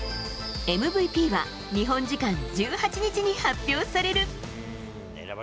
ＭＶＰは日本時間１８日に発表される。